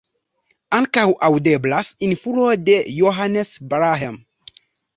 Ankaŭ aŭdeblas influo de Johannes Brahms.